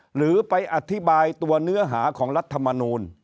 หรือไปอธิบายตัวเนื้อหาของรัฐมนูล